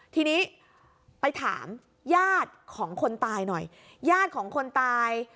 ทีนี้ไปถามญาติของคนตายหน่อยญาติของคนตาย